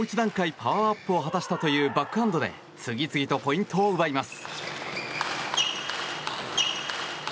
パワーアップを果たしたというバックハンドで次々とポイントを奪います。